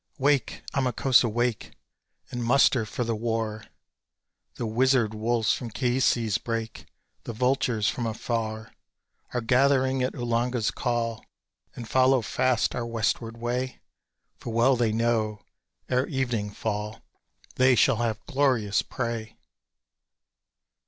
Wake! Amakósa, wake! And muster for the war: The wizard wolves from Keisi's brake, The vultures from afar, Are gathering at Uhlanga's call, And follow fast our westward way For well they know, ere evening fall, They shall have glorious prey!